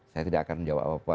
saya tidak akan menjawab apa apa